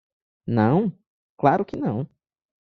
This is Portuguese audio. Não? claro que não.